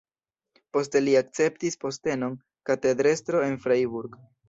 Poste li akceptis postenon katedrestro en Freiburg.